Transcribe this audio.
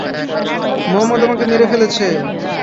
মুহাম্মাদ আমাকে মেরে ফেলেছে।